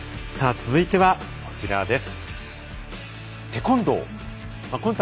続いては、こちらです。